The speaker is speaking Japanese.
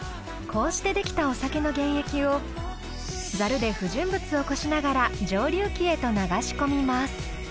こうして出来たお酒の原液をザルで不純物をこしながら蒸留機へと流し込みます。